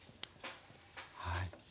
はい。